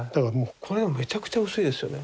これはめちゃくちゃ薄いですよね。